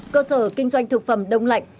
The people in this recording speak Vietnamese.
cơ sở kinh doanh thực phẩm đông lạnh